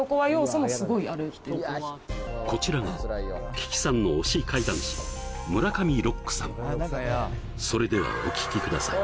こちらがキキさんの推し怪談師村上ロックさんそれではお聞きください